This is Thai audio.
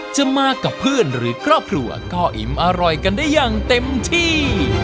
จะมากับเพื่อนหรือครอบครัวก็อิ่มอร่อยกันได้อย่างเต็มที่